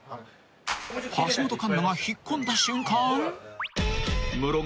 ［橋本環奈が引っ込んだ瞬間］